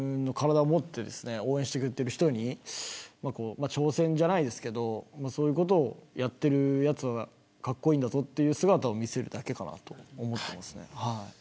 応援してくれている人に挑戦じゃないですけどそういうことをやっているやつはかっこいいんだぞという姿を見せるだけかなと思います。